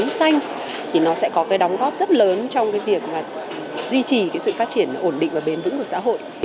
các sản phẩm tài chính xanh sẽ có đóng góp rất lớn trong việc duy trì sự phát triển ổn định và bền vững của xã hội